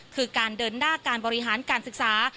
คือการเดินหน้าการบริหารการศึกษา